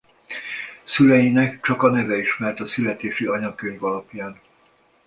Szüleinek csak a neve ismert a születési anyakönyv alapján.